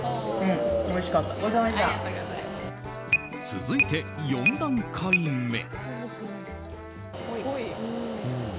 続いて、４段階目。